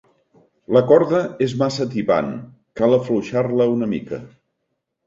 La corda és massa tibant: cal afluixar-la una mica.